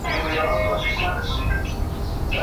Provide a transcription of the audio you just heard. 将非持球脚置于球上。